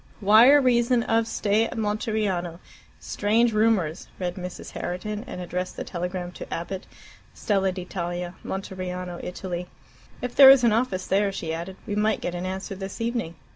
"Wire reason of stay at Monteriano. Strange rumours," read Mrs. Herriton, and addressed the telegram to Abbott, Stella d'Italia, Monteriano, Italy. "If there is an office there," she added, "we might get an answer this evening.